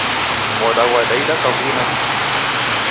Moda ghwadaida kavui na kijiji.